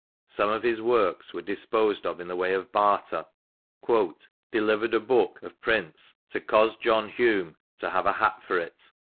Some of his works were disposed of in the way of barter. " Delivered a book " (of prints) " to coz. John Hulm, to have a hat for it.'